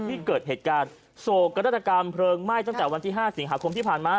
ที่เกิดเหตุการณ์โศกนาฏกรรมเพลิงไหม้ตั้งแต่วันที่๕สิงหาคมที่ผ่านมา